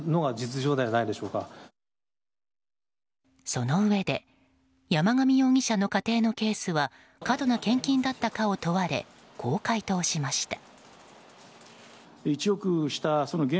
そのうえで山上容疑者の家庭のケースは過度な献金だったかを問われこう回答しました。